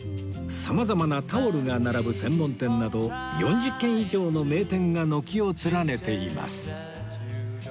様々なタオルが並ぶ専門店など４０軒以上の名店が軒を連ねています